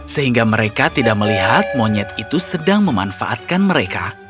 sehingga mereka tidak melihat monyet itu sedang memanfaatkan mereka